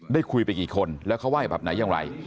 คุยไปกี่คนแล้วเขาว่ายแบบไหนอย่างไร